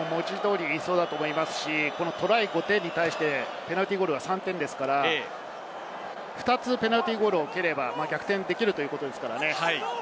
そうだと思いますしトライ５点に対してペナルティーゴールは３点ですから、２つペナルティーゴールを蹴れば逆転できるということですからね。